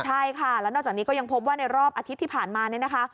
ใช่ค่ะแล้วนอกจากนี้ก็ยังพบว่าในรอบอาทิตย์ที่ผ่านมาเนี่ยนะคะ